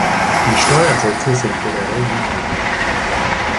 Die Steuersätze sind generell niedrig.